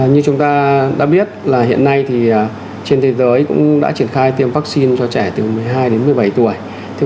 như chúng ta đã biết là hiện nay trên thế giới cũng đã triển khai tiêm vaccine cho trẻ từ một mươi hai đến một mươi bảy tuổi